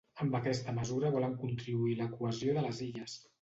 Amb aquesta mesura volen contribuir a la cohesió de les Illes.